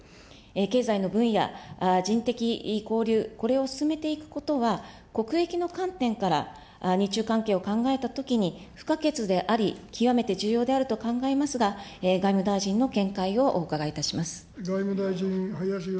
経済の分野、人的交流、これを進めていくことは、国益の観点から日中関係を考えたときに不可欠であり、極めて重要であると考えますが、外務大臣の見解をお伺いいたします。